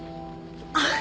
あっ。